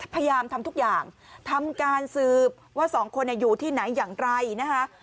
พยายามทำทุกอย่างทำการสืบว่าสองคนอยู่ที่ไหนอย่างไรนะคะ